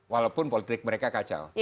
walaupun politik mereka kacau